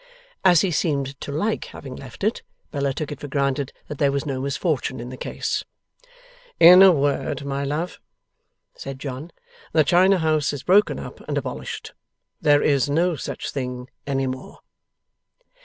As he seemed to like having left it, Bella took it for granted that there was no misfortune in the case. 'In a word, my love,' said John, 'the China House is broken up and abolished. There is no such thing any more.